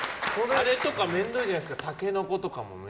あれとか面倒じゃないですかタケノコとかも。